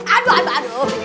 aduh aduh aduh